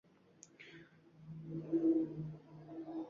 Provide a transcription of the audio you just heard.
Hushimdagi ro‘zg‘or, tushimdagi uy.